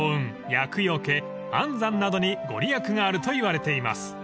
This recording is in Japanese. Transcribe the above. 厄よけ安産などにご利益があるといわれています］